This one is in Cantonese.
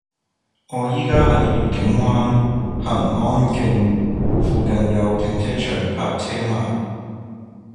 我依家喺愉景灣蘅安徑，附近有停車場泊車嗎